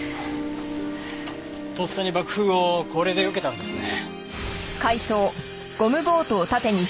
とっさに爆風をこれでよけたんですね。